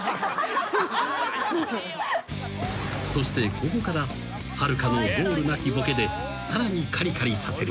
［そしてここからはるかのゴールなきボケでさらにかりかりさせる］